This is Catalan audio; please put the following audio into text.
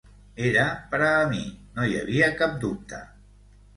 Era per a mi, no hi havia cap dubte.